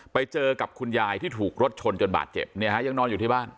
ไปเจอกับคุณยายที่ถูกรถชนจนบาดเจ็บเนี่ยฮะยังนอนอยู่ที่บ้าน